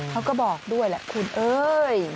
เขาก็บอกด้วยแหละคุณเอ้ย